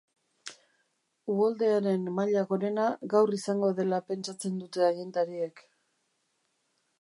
Uholdearen maila gorena gaur izango dela pentsatzen dute agintariek.